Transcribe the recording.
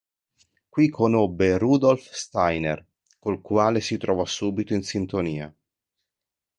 Qui conobbe Rudolf Steiner, col quale si trovò subito in sintonia.